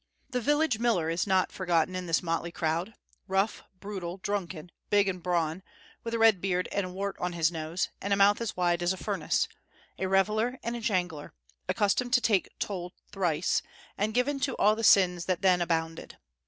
The village miller is not forgotten in this motley crowd, rough, brutal, drunken, big and brawn, with a red beard and a wart on his nose, and a mouth as wide as a furnace, a reveller and a jangler, accustomed to take toll thrice, and given to all the sins that then abounded.